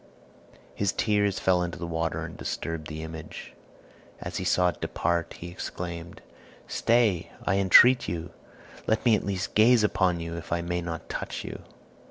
His tears fell into the water and disturbed the image. As he saw it depart, he exclaimed, "Stay, I entreat you! Let me at least gaze upon you, if I may not touch you."